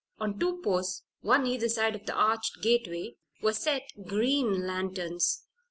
On two posts, one either side of the arched gateway, were set green lanterns.